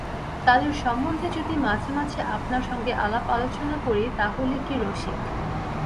তাঁদের সম্বন্ধে যদি মাঝে মাঝে আপনার সঙ্গে আলাপ-আলোচনা করি তা হলে কি– রসিক।